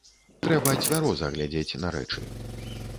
Трэба цвяроза глядзець на рэчы.